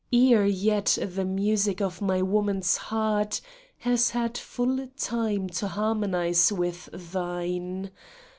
Ere yet the music of my woman's heart Has had full time to harmonize with thine.